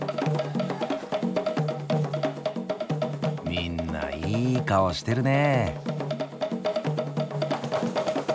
みんないい顔してるね。